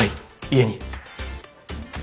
家に！